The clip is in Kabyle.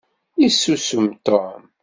Yessusum Tom.